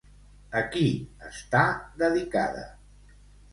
A qui està dedicada?